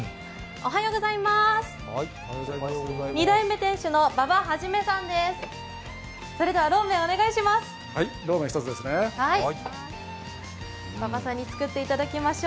２代目店主の馬場元さんです。